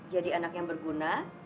jadi anak yang berguna